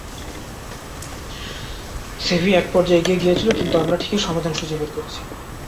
সেভিয়া একপর্যায়ে এগিয়ে গিয়েছিল, কিন্তু আমরা ঠিকই সমাধান খুঁজে বের করেছি।